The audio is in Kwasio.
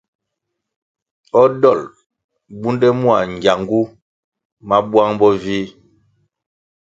O dolʼ bunde mua gyangu ma buang bo vih.